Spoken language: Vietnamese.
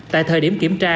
tại thời điểm kiểm tra